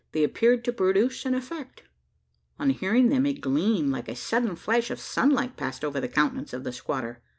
They appeared to produce an effect. On hearing them, a gleam, like a sudden flash of sunlight, passed over the countenance of the squatter.